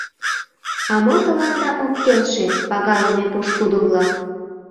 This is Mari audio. — А мо тыланда ок келше, пагалыме пошкудо-влак?